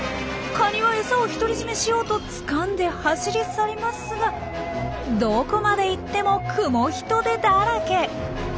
カニは餌を独り占めしようとつかんで走り去りますがどこまで行ってもクモヒトデだらけ。